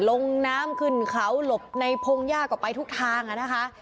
ลงน้ำขึ้นเขาหลบในพงยากกว่าไปทุกทางอ่ะนะคะ